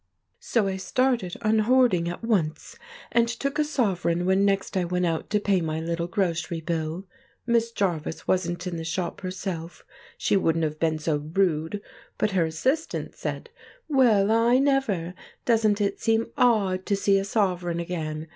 "So I started unhoarding at once and took a sovereign when next I went out to pay my little grocery bill. Miss Jarvis wasn't in the shop herself—she wouldn't have been so rude!—but her assistant said, 'Well, I never! Doesn't it seem odd to see a sovereign again!